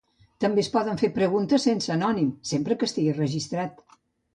També es poden fer preguntes sense anònim, sempre que estiguis registrat.